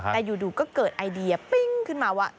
แต่อยู่ก็เกิดไอเดียปิ้งขึ้นมาว่า